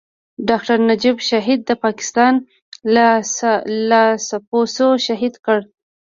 ډاکټر نجيب شهيد د پاکستان لاسپوڅو شهيد کړ.